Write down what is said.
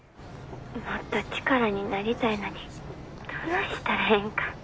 もっと力になりたいのにどないしたらええんか。